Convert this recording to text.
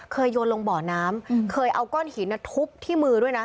โยนลงบ่อน้ำเคยเอาก้อนหินทุบที่มือด้วยนะ